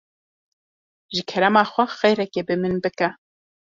Ji kerema xwe xêrekê bi min bike.